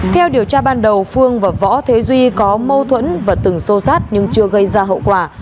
theo điều tra ban đầu phương và võ thế duy có mâu thuẫn và từng xô sát nhưng chưa gây ra hậu quả